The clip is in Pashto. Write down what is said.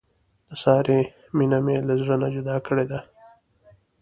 د سارې مینه مې له زړه نه جدا کړې ده.